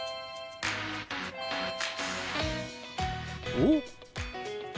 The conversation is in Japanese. おっ！